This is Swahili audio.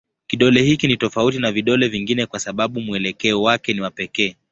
Kidole hiki ni tofauti na vidole vingine kwa sababu mwelekeo wake ni wa pekee.